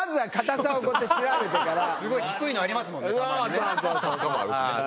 すごい低いのありますもんねたまにね。